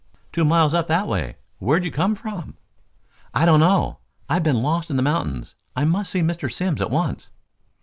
"Two miles up that way. Where'd you come from?" "I don't know. I've been lost in the mountains. I must see Mr. Simms at once."